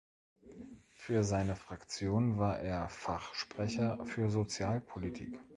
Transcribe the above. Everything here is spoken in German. Für seine Fraktion war er Fachsprecher für Sozialpolitik.